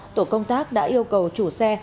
tổ công tác đã yêu cầu chủ xe